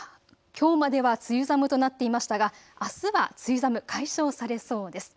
きょうまでは梅雨寒となっていましたが、あすは梅雨寒、解消されそうです。